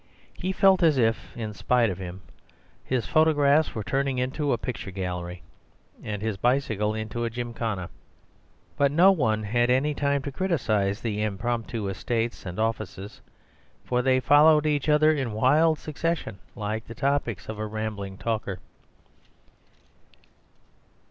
He felt as if, in spite of him, his photographs were turning into a picture gallery, and his bicycle into a gymkhana. But no one had any time to criticize these impromptu estates and offices, for they followed each other in wild succession like the topics of a rambling talker.